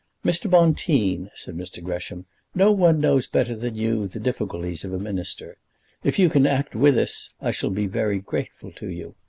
"Mr. Bonteen," said Mr. Gresham, "no one knows better than you the difficulties of a Minister. If you can act with us I shall be very grateful to you.